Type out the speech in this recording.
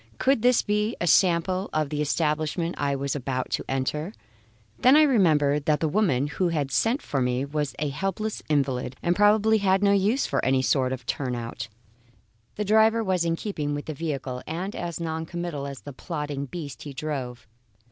Could this be a sample of the establishment I was about to enter? Then I remembered that the woman who had sent for me was a helpless invalid, and probably had no use for any sort of turnout. The driver was in keeping with the vehicle, and as noncommittal as the plodding beast he drove.